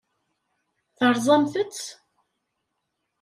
Terẓamt-t?